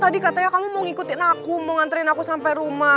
tadi katanya kamu mau ngikutin aku mau nganterin aku sampai rumah